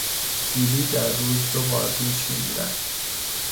جولی در روز دوبار دوش میگیرد.